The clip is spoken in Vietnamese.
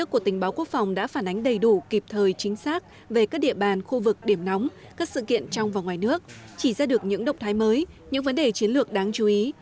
các sự kiện trong và ngoài nước chỉ ra được những động thái mới những vấn đề chiến lược đáng chú ý